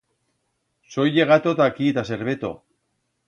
Soi llegato ta aquí ta Serveto.